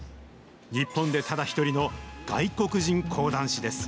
日本でただ一人の外国人講談師です。